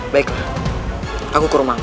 baiklah aku ke rumahku